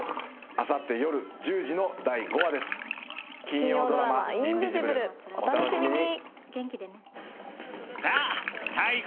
あさってよる１０時の第５話です金曜ドラマ「インビジブル」お楽しみに！